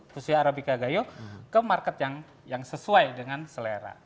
khususnya arabica gayo ke market yang sesuai dengan selera